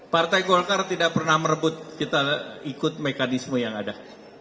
partai golkar tidak pernah merebut kita ikut mekanisme yang ada